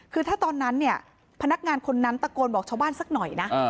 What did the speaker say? คือถ้าตอนนั้นเนี่ยพนักงานคนนั้นตะโกนบอกชาวบ้านสักหน่อยนะ